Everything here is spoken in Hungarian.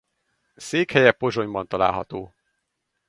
Székhelye Pozsonyban található.